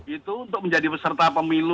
itu untuk menjadi peserta pemilu